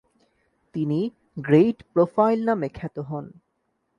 তিনি "great profile" নামে খ্যাত হন।